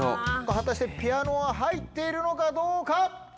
果たしてピアノは入っているのかどうか？